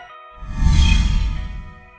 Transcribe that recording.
đủ rắc controlled